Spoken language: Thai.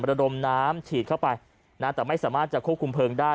ระดมน้ำฉีดเข้าไปนะแต่ไม่สามารถจะควบคุมเพลิงได้